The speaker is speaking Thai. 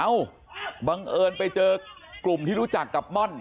เอ้าบังเอิญไปเจอกลุ่มที่รู้จักกับม่อน